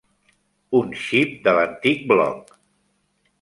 Un xip de l'antic bloc.